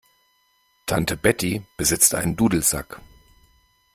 Tante Betty besitzt einen Dudelsack.